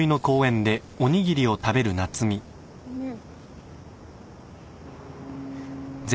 うん。